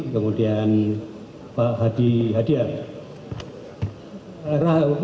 kemudian pak hadi pak aridono mewakili polri